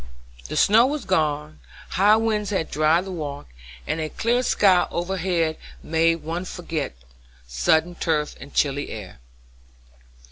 The snow was gone, high winds had dried the walk, and a clear sky overhead made one forget sodden turf and chilly air.